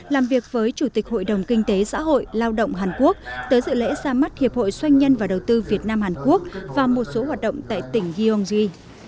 làm việc với chủ tịch hội đồng kinh tế xã hội lao động hàn quốc tới dự lễ ra mắt hiệp hội xoanh nhân và đầu tư việt nam hàn quốc và một số hoạt động tại tỉnh gyeonggi